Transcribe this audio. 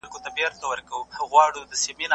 هغې د کار ډیر بار احساس کړ.